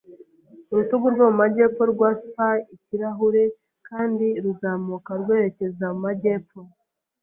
urutugu rwo mu majyepfo rwa Spy-ikirahure kandi ruzamuka rwerekeza mu majyepfo